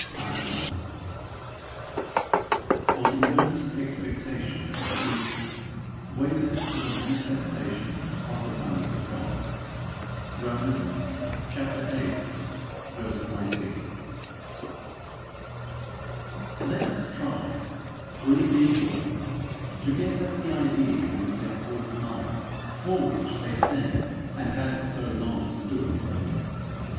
_ For the earnest expectation of the creature waiteth for the manifestation of the sons of God. Romans viii. 19. Let us try, through these words, to get at the idea in St Paul's mind for which they stand, and have so long stood.